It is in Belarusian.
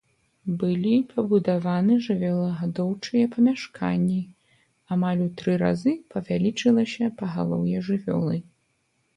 Былі пабудаваны жывёлагадоўчыя памяшканні, амаль у тры разы павялічылася пагалоўе жывёлы.